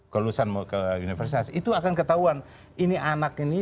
kelulusan mau ke universitas itu akan ketahuan ini anak ini dia cocok masuk ke universitas